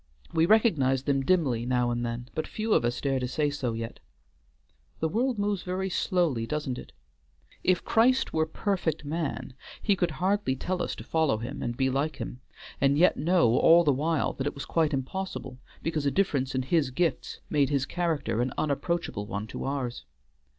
We recognize them dimly now and then, but few of us dare to say so yet. The world moves very slowly, doesn't it? If Christ were perfect man, He could hardly tell us to follow Him and be like Him, and yet know all the while that it was quite impossible, because a difference in his gifts made his character an unapproachable one to ours.